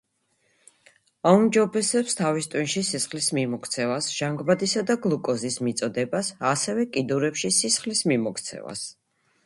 აუმჯობესებს თავის ტვინში სისხლის მიმოქცევას, ჟანგბადისა და გლუკოზის მიწოდებას, ასევე კიდურებში სისხლის მიმოქცევას.